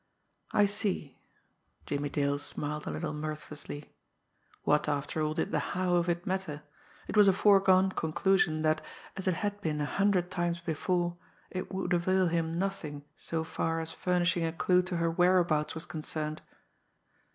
"I see." Jimmie Dale smiled a little mirthlessly. What, after all, did the "how" of it matter? It was a foregone conclusion that, as it had been a hundred times before, it would avail him nothing so far as furnishing a clue to her whereabouts was concerned!